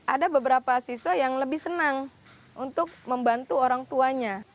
ada beberapa siswa yang lebih senang untuk membantu orang tuanya